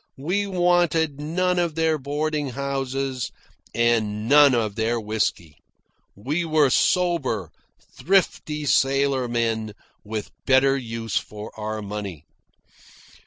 We wanted none of their boarding houses and none of their whisky. We were sober, thrifty sailormen, with better use for our money.